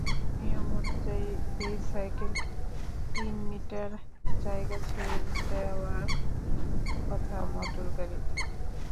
নিয়ম অনুযায়ী একটি সাইকেলকে তিন মিটার জায়গা ছেড়ে দেওয়ার কথা মোটরগাড়ির।